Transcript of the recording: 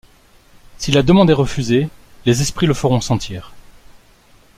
Si la demande est refusée, les esprits le feront sentir.